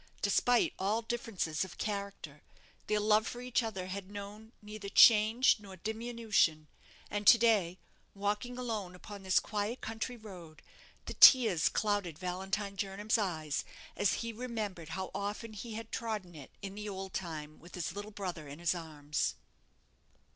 Despite all differences of character, their love for each other had known neither change nor diminution; and to day, walking alone upon this quiet country road, the tears clouded Valentine Jernam's eyes as he remembered how often he had trodden it in the old time with his little brother in his arms.